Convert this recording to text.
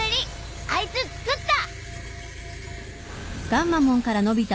あいつ作った！